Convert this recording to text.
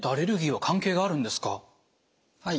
はい。